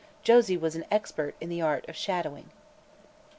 Josie was an expert in the art of shadowing.